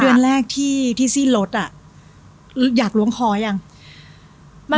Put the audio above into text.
๒๓เดือนแรกที่ซีลดลดอ่ะหรืออยากล้วงคออย่างหรือมันมาเกิดตอนไหน